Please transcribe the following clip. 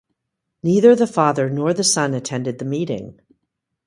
Neither the father nor the son attended the meeting.